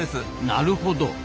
なるほど。